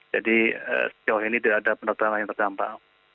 jadi sejauh ini tidak ada penerbangan yang terdampak